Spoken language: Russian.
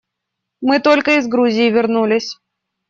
Мы только из Грузии вернулись.